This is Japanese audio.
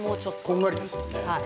こんがりですよね。